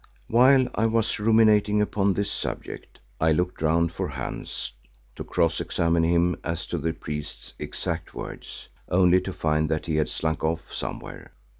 While I was ruminating upon this subject, I looked round for Hans to cross examine him as to the priest's exact words, only to find that he had slunk off somewhere.